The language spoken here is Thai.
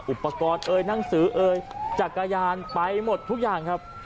อุปกรณ์เอ่ยหนังสือเอ่ยจักรยานไปหมดทุกอย่างครับ